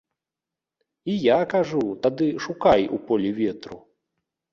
І я кажу, тады шукай у полі ветру.